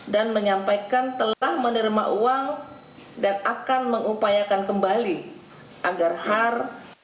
dan menyampaikan telah menerima uang dan akan mengupayakan kembali agar har